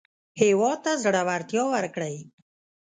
هېواد ته زړورتیا ورکړئ